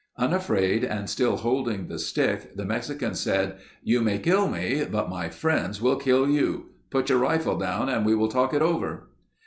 Unafraid and still holding the stick the Mexican said: "You may kill me, but my friends will kill you. Put your rifle down and we will talk it over."